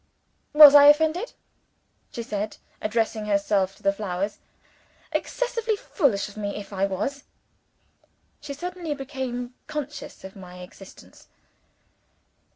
"Was I offended?" she said, addressing herself to the flowers. "Excessively foolish of me, if I was." She suddenly became conscious of my existence.